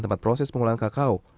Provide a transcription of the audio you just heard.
tempat proses pengolahan kakao